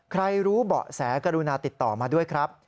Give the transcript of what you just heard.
รู้เบาะแสกรุณาติดต่อมาด้วยครับ